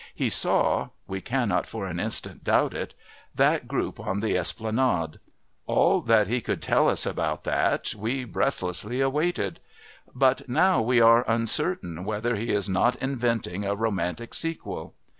He saw we cannot for an instant doubt it that group on the Esplanade; all that he could tell us about that we, breathlessly, awaited. But now we are uncertain whether he is not inventing a romantic sequel.